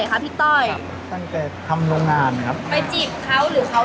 ก็เป็นเพื่อนไงล่ะ